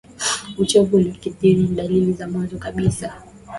uchovu uliyokithiri ni dalili za mwanzo kabisa